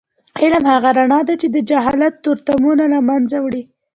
علم هغه رڼا ده چې د جهالت تورتمونه له منځه وړي.